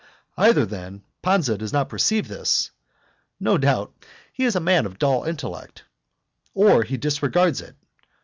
Either, then, Pansa does not perceive this (no doubt he is a man of dull intellect), or he disregards it.